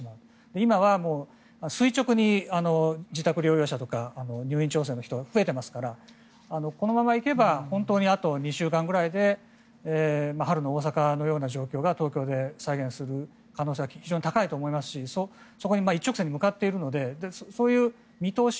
今は垂直に自宅療養者とか入院調整の人が増えていますからこのままいけば本当にあと２週間ぐらいで春の大阪のような状況が東京で再現する可能性は非常に高いと思いますしそこに一直線に向かっているのでそういう見通し